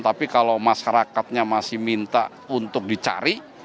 tapi kalau masyarakatnya masih minta untuk dicari